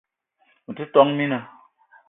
Me te , tόn mina